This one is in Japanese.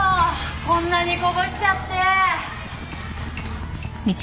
こんなにこぼしちゃって！